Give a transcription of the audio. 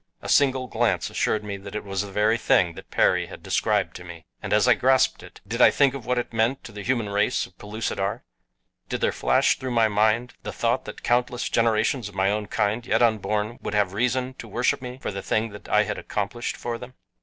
A single glance assured me it was the very thing that Perry had described to me. And as I grasped it did I think of what it meant to the human race of Pellucidar did there flash through my mind the thought that countless generations of my own kind yet unborn would have reason to worship me for the thing that I had accomplished for them?